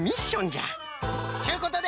ちゅうことで！